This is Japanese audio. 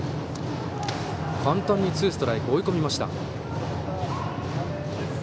簡単にツーストライクと追い込みました。